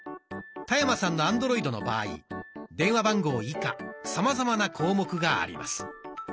田山さんのアンドロイドの場合電話番号以下さまざまな項目があります。